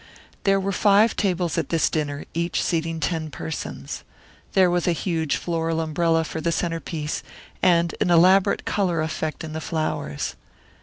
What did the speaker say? There were five tables at this dinner, each seating ten persons. There was a huge floral umbrella for the centrepiece, and an elaborate colour effect in flowers.